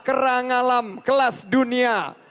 kerang alam kelas dunia